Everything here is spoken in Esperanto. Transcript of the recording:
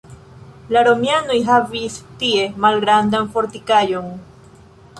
La romianoj havis tie malgrandan fortikaĵon.